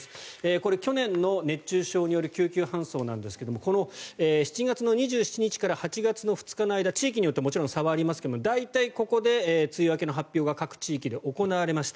これは去年の熱中症による救急搬送なんですけどもこの７月２７日から８月２日の間地域によってもちろん差はありますが大体ここで梅雨明けの発表が各地域で行われました。